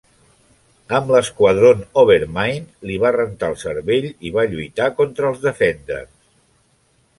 Amb l'Squadron, Overmind li va rentar el cervell i va lluitar contra els Defenders.